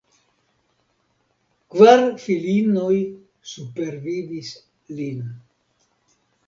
Kvar filinoj supervivis lin.